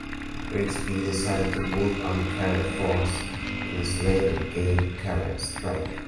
Grigsby decided to build on "Carrier Force" in his later game "Carrier Strike".